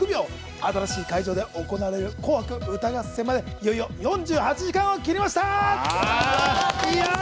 新しい会場で行われる「紅白歌合戦」までいよいよ４８時間を切りました。